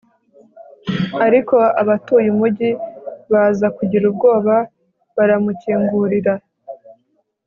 ariko abatuye umugi baza kugira ubwoba baramukingurira